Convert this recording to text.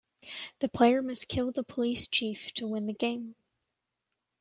The player must kill the police chief to win the game.